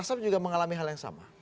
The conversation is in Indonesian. komnas ham juga mengalami hal yang sama